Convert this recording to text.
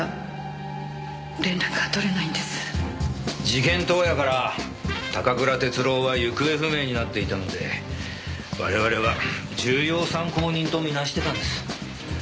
事件当夜から高倉徹郎は行方不明になっていたので我々は重要参考人と見なしてたんです。